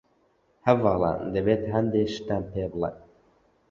هەڤاڵان ، دەبێت هەندێ شتتان پێ بڵیم.